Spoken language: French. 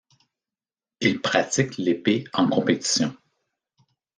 Il pratique l'épée en compétition.